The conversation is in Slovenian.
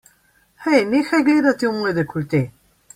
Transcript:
Hej, nehaj gledati v moj dekolte!